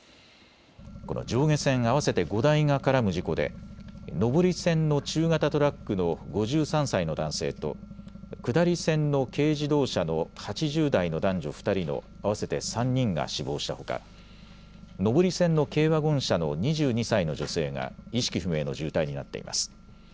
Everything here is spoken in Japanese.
この上下線合わせて５台が絡む事故で上り線の中型トラックの５３歳の男性と下り線の軽自動車の８０代の男女２人の合わせて３人が死亡したほか、上り線の軽ワゴン車の２２歳の女性が意識不明の重体になっています。